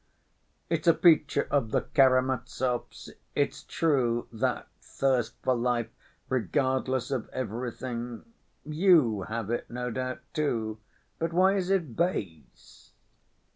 It's a feature of the Karamazovs, it's true, that thirst for life regardless of everything; you have it no doubt too, but why is it base?